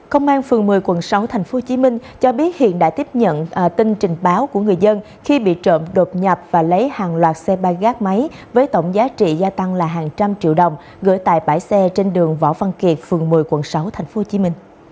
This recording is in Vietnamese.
công an phường một mươi quận sáu tp hcm cho biết hiện đã tiếp nhận tin trình báo của người dân khi bị trộm đột nhập và lấy hàng loạt xe bay gác máy với tổng giá trị gia tăng là hàng trăm triệu đồng gửi tại bãi xe trên đường võ văn kiệt phường một mươi quận sáu tp hcm